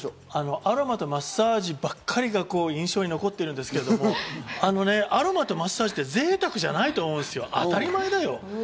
アロマとマッサージばかりが印象に残ってるんですけど、アロマとマッサージって贅沢じゃないと思う、当たり前だよ。